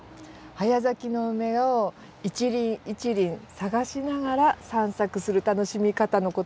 早咲きのウメを一輪一輪探しながら散策する楽しみ方のことです。